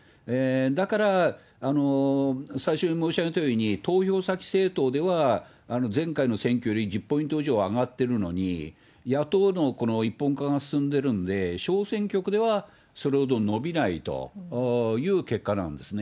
だから、最初に申し上げたように、投票先政党では、前回の選挙より１０ポイント以上上がっているのに、野党のこの一本化が進んでるので、小選挙区ではそれほど伸びないという結果なんですね。